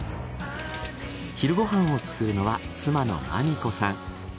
昼ご飯を作るのは妻の麻美子さん。